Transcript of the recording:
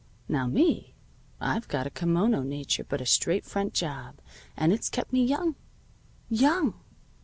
Now me, I've got a kimono nature but a straight front job, and it's kept me young. Young!